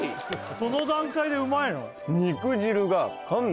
その段階でうまいの？